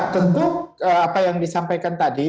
tentu apa yang disampaikan tadi